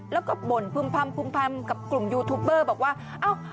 แล้วก็บ่นพึ่มพำพึ่มพำกับกลุ่มยูทูปเบอร์บอกว่าเอ้า